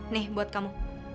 nih buat kamu